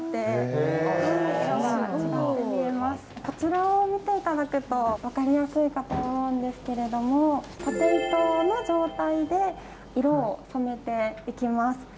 こちらを見て頂くと分かりやすいかと思うんですけれども縦糸の状態で色を染めていきます。